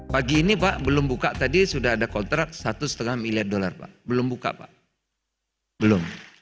pagi ini pak belum buka tadi sudah ada kontrak satu lima miliar dolar pak belum buka pak belum